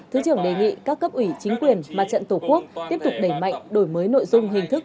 thứ trưởng đề nghị các cấp ủy chính quyền mặt trận tổ quốc tiếp tục đẩy mạnh đổi mới nội dung hình thức